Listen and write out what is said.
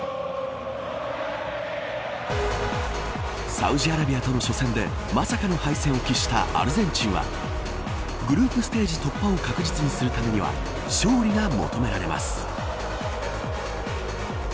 サウジアラビアとの初戦でまさかの敗戦を喫したアルゼンチンはグループステージ突破を確実にするためには勝利が求められます。